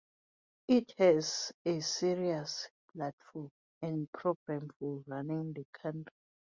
It has a serious platform and program for running the country.